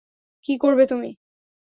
কী করবে তুমি?